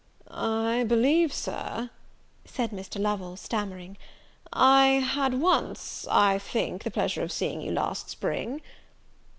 "I believe, Sir," said Mr. Lovel, stammering, "I, had once, I think the pleasure of seeing you last spring."